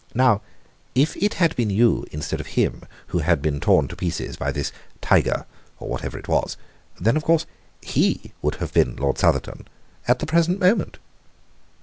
Now, if it had been you instead of him who had been torn to pieces by this tiger, or whatever it was, then of course he would have been Lord Southerton at the present moment."